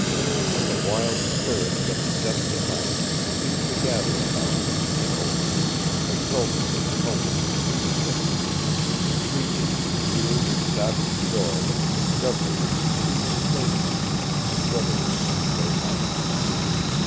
And the wild spirits that possessed the night seemed to gather about her, and over her, exulting in the helplessness of their victim, shrieking in weird and savage joy at the discovery of this human plaything struggling against their might.